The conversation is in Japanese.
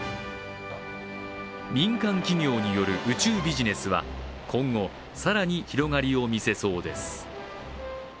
民間企業による宇宙ビジネスは今後、更に広がりを見せそうです。